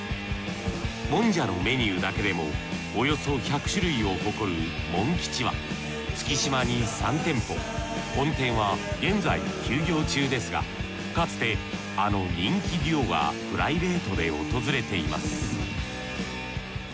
もんじゃのメニューだけでもおよそ１００種類を誇るもん吉は月島に３店舗本店は現在休業中ですがかつてあの人気デュオがプライベートで訪れています